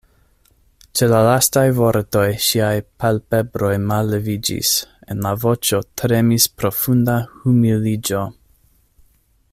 Ĉe la lastaj vortoj ŝiaj palpebroj malleviĝis; en la voĉo tremis profunda humiliĝo.